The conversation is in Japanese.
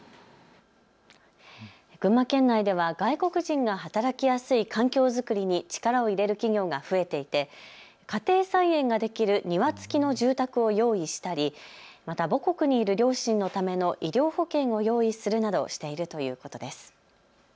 群馬県内では外国人が働きやすい環境作りに力を入れる企業が増えていて家庭菜園ができる庭付きの住宅を用意したりまた母国にいる両親のための医療保険を用意するなどしているということです。